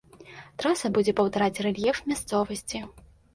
Траса будзе паўтараць рэльеф мясцовасці.